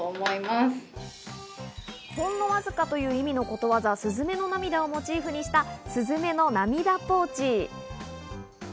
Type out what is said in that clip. ほんのわずかという意味のことわざ、すずめの涙をモチーフにした、すずめの涙ポーチ。